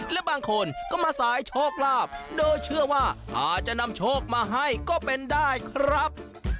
และบางคนก็มาสายโชคลาภโดยเชื่อว่าอาจจะนำโชคมาให้ก็เป็นได้ครับ